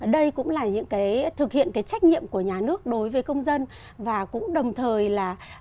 đây cũng là những cái thực hiện trách nhiệm của nhà nước đối với công dân và cũng đồng thời là